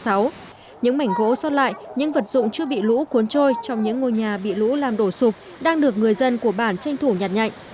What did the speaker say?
so sát lại những vật dụng chưa bị lũ quân trôi trong những ngôi nhà bị lũ làm đổ sụp đang được người dân của bản tranh thủ nhặt nhạnh